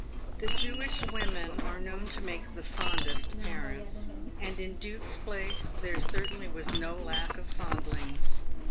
The Jewish women are known to make the fondest parents, and in Duke's place there certainly was no lack of fondlings.